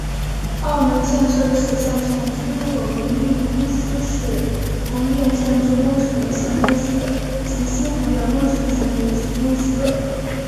澳能建设的属下全资拥有营运公司是鸿业建筑工程有限公司及新鸿业工程建筑有限公司。